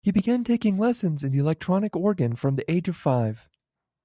He began taking lessons in the electronic organ from the age of five.